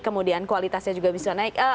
kemudian kualitasnya juga bisa naik